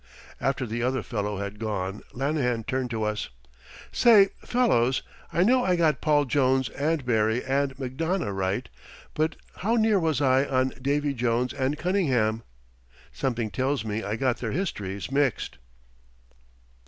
After the other fellow had gone Lanahan turned to us. "Say, fellows, I know I got Paul Jones and Barry and McDonough right, but how near was I on Davey Jones and Conyngham? Something tells me I got their histories mixed."